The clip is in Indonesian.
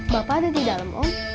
bapak ada di dalam om